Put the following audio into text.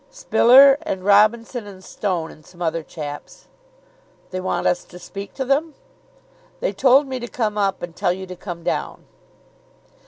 "Spiller and Robinson and Stone, and some other chaps." "They want us to speak to them?" "They told me to come up and tell you to come down."